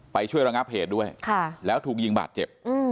ไปช่วยระงับเหตุด้วยแล้วถูกยิงบาดเจ็บ